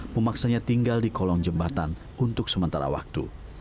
memaksanya tinggal di kolong jembatan untuk sementara waktu